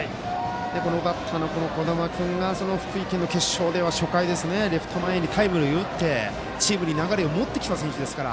このバッターの児玉君が福井県の決勝で初回にレフト前にタイムリーを打ってチームに流れを持ってきました。